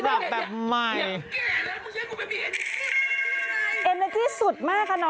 เดี๋ยวน้องเขาพูดว่าอะไรน่ะ